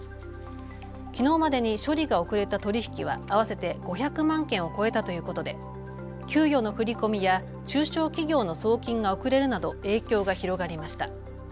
きのうまでに処理が遅れた取り引きは合わせて５００万件を超えたということで給与の振り込みや中小企業の送金が遅れるなど影響が広がりました。